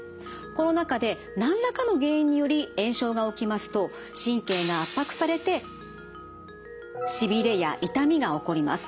この中で何らかの原因により炎症が起きますと神経が圧迫されてしびれや痛みが起こります。